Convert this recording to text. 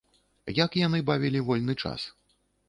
Як яны бавілі вольны час?